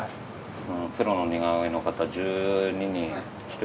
プロの似顔絵の方１２人。